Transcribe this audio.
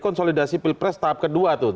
konsolidasi pilpres tahap kedua tuh